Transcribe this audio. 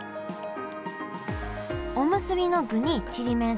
おむすびの具にちりめん